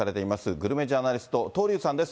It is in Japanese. グルメジャーナリスト、東龍さんです。